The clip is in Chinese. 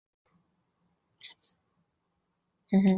偕二醇一般是不稳定的。